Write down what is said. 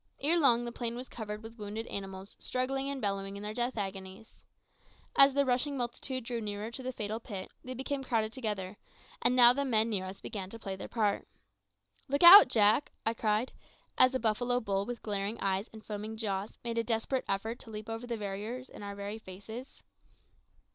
Ere long the plain was covered with wounded animals struggling and bellowing in their death agonies. As the rushing multitude drew nearer to the fatal pit, they became crowded together, and now the men near us began to play their part. "Look out, Jack!" I cried, as a buffalo bull with glaring eyes and foaming jaws made a desperate effort to leap over the barrier in our very faces.